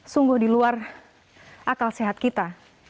sungguh di luar akal sehat kita